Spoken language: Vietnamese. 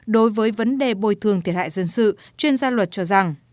đối với vấn đề bồi thường thiệt hại dân sự chuyên gia luật cho rằng